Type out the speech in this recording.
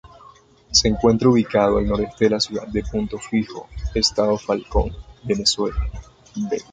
Se encuentra ubicado al noreste de la ciudad de Punto Fijo, Estado Falcón, Venezuela.